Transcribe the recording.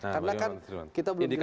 karena kan kita belum jelas